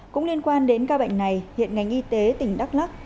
cũng liên quan đến ca bệnh này hiện ngành y tế tỉnh đắk lắc